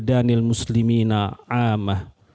dan dari segala makanan